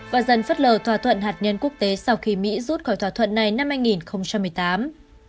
và dần phất lờ thỏa thuận hạt nhân quốc tế sau khi mỹ rút khỏi thỏa thuận này năm hai nghìn một mươi tám